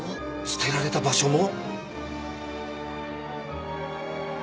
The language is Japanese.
捨てられた場所も！？